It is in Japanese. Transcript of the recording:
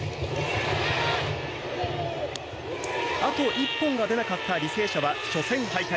あと１本が出なかった履正社は初戦敗退。